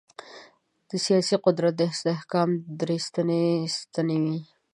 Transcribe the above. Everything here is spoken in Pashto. د سیاسي قدرت د استحکام درې سنتي ستنې وې.